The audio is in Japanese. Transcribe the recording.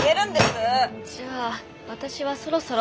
じゃあ私はそろそろ。